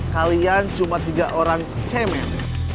kalian cuma tiga orang cemer